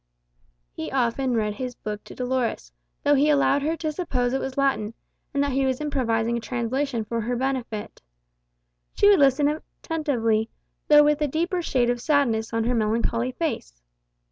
He often read his book to Dolores, though he allowed her to suppose it was Latin, and that he was improvising a translation for her benefit. She would listen attentively, though with a deeper shade of sadness on her melancholy face.